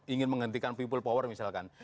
ingin menghentikan people power misalkan